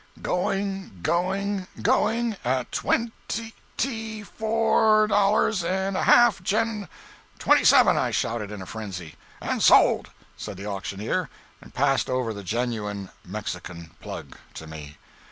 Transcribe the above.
"Going, going, going—at twent—ty—four dollars and a half, gen—" "Twenty seven!" I shouted, in a frenzy. "And sold!" said the auctioneer, and passed over the Genuine Mexican Plug to me.